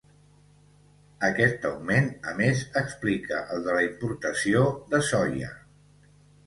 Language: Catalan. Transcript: Aquest augment, a més, explica el de la importació de soia.